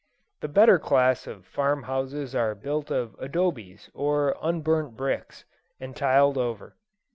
The better class of farm houses are built of adobes, or unburnt bricks, and tiled over.